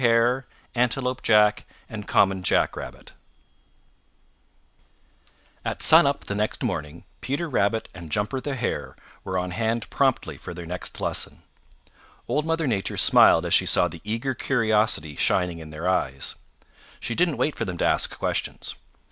CHAPTER III More of Peter's Long Legged Cousins At sun up the next morning Peter Rabbit and Jumper the Hare were on hand promptly for their next lesson. Old Mother Nature smiled as she saw the eager curiosity shining in their eyes. She didn't wait for them to ask questions.